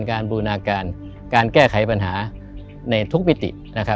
การบูนาการการแก้ไขปัญหาในทุกพิธี